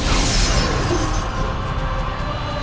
jalankan orang lain